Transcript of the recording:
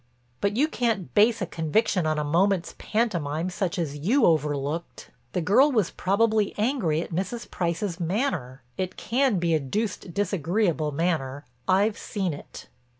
"But you can't base a conviction on a moment's pantomime such as you overlooked. The girl was probably angry at Mrs. Price's manner. It can be a deuced disagreeable manner; I've seen it."